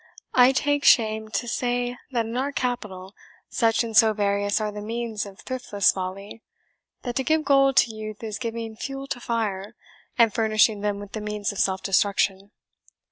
I take shame to say that in our capital such and so various are the means of thriftless folly, that to give gold to youth is giving fuel to fire, and furnishing them with the means of self destruction.